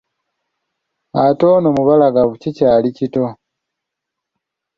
Ate ono mubalagavu, kikyali kito.